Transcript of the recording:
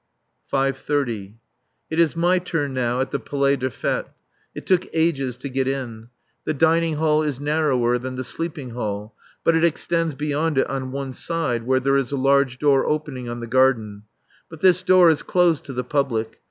[5.30.] It is my turn now at the Palais des Fêtes. It took ages to get in. The dining hall is narrower than the sleeping hall, but it extends beyond it on one side where there is a large door opening on the garden. But this door is closed to the public.